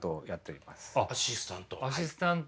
アシスタント。